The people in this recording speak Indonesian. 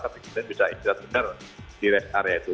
tapi kemudian bisa istirahat benar di rest area itu